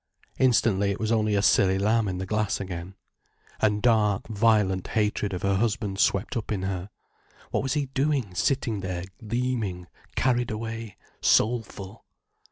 Instantly, it was only a silly lamb in the glass again. And dark, violent hatred of her husband swept up in her. What was he doing, sitting there gleaming, carried away, soulful?